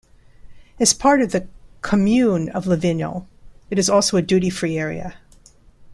As part of the "comune" of Livigno, it is also a duty-free area.